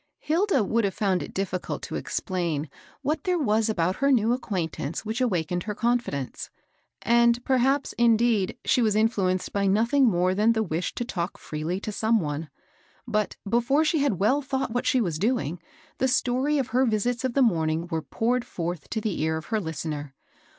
Hilda would have found it difficult to explain what there was about her new acquaintance which awakened her confidence; and perhaps, indeed, she was influenced by nothing more than the wish to talk freely to some one ; but, before she had well thought what she was doing, the story of her visits of the morning were poured forth to the ear of her listener.